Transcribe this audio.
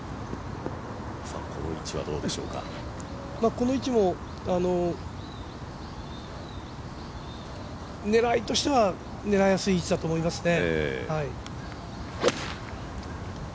この位置も狙いとしては狙いやすい位置だと思いますね。